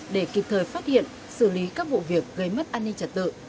để kịp thời phát hiện xử lý các vụ việc gây mất an ninh trật tự